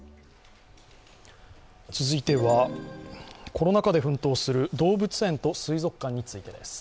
続いては、コロナ禍で奮闘する動物園と水族館についてです。